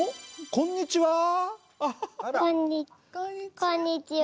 こんにちは。